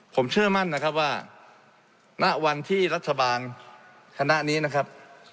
ผมเชื่อมั่นนะครับว่าณวันที่รัฐบาลคณะนี้นะครับ